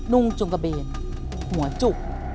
ุ่งจุงกระเบนหัวจุก